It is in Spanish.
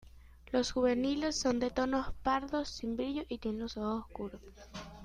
Los juveniles son de tonos pardos sin brillo y tienen los ojos oscuros.